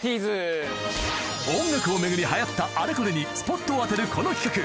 音楽を巡り流行ったあれこれにスポットを当てるこの企画